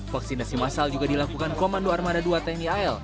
vaksinasi masal juga dilakukan komando armada dua tni al